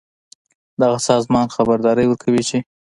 دغه سازمان خبرداری ورکوي چې